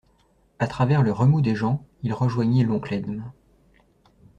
A travers le remous des gens, il rejoignit l'oncle Edme.